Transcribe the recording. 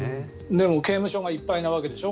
でも刑務所がいっぱいなわけでしょ。